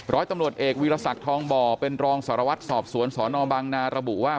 ร้อยตำรวจเอกวีรศักดิ์ทองบ่อเป็นรองสารวัตรสอบสวนสนบางนาระบุว่า